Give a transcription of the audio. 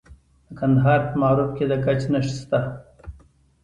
د کندهار په معروف کې د ګچ نښې شته.